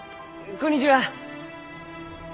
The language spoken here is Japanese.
こんにちは。